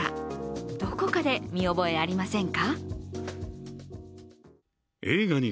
どこかで見覚えありませんか？